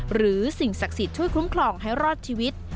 สิ่งศักดิ์สิทธิ์ช่วยคุ้มครองให้รอดชีวิต